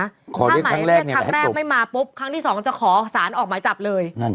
ถ้าหมายเรียกครั้งแรกไม่มาปุ๊บครั้งที่๒จะขอสารออกหมายจับเลย